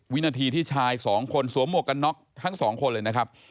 วินาทีที่ชายสองคนสวมหมวกกันน็อกทั้งสองคนเลยนะครับ